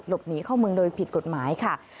หนีเข้าเมืองโดยผิดกฎหมายค่ะ